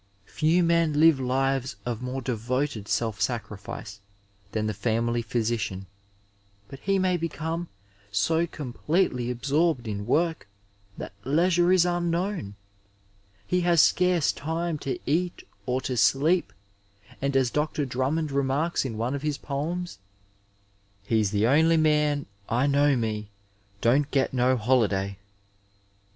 Few men live lives of more devoted self sacrifice than the family physician, but he may become so completely absorbed in work that leisure is unknown ; he has scarce time to eat or to sleep, and, as Dr. Dnunmond remaiiks in one of his poems, '^ He's the only man, I know me, don't get no holiday."